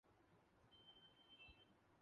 نہ ہی کہیں پر شرمسار کرتا ہے۔